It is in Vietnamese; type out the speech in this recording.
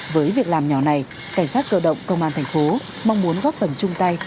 với việc làm nhỏ này cảnh sát cơ động công an thành phố mong muốn góp phần chung tay